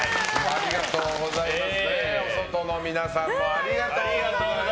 ありがとうございます。